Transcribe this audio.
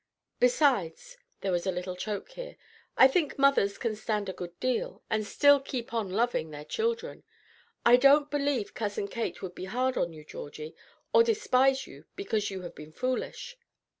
Besides," there was a little choke here, "I think mothers can stand a good deal, and still keep on loving their children. I don't believe Cousin Kate would be hard on you, Georgie, or despise you because you have been foolish."